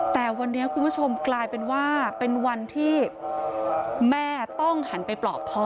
แต่วันนี้คุณผู้ชมกลายเป็นว่าเป็นวันที่แม่ต้องหันไปปลอบพ่อ